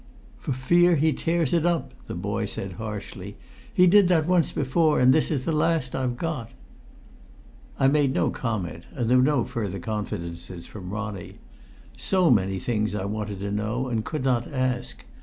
"For fear he tears it up!" the boy said harshly. "He did that once before, and this is the last I've got." I made no comment, and there were no further confidences from Ronnie. So many things I wanted to know and could not ask!